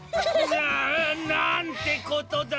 ああ！なんてことだ！